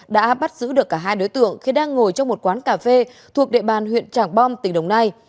đã bắt giữ được cả hai đối tượng khi đang ngồi trong một quán cà phê thuộc địa bàn huyện trảng bom tỉnh đồng nai